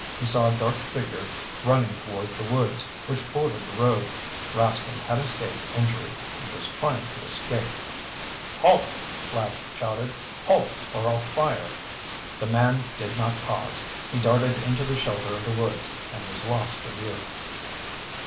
He saw a dark figure running toward the woods which bordered the road. Rascomb had escaped injury and was trying to escape. "Halt!" Flash shouted. "Halt or I'll fire!" The man did not pause. He darted into the shelter of the woods and was lost to view.